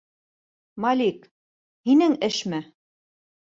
Малик, һинең эшме?